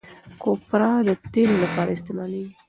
کوپره د تېلو لپاره استعمالیږي.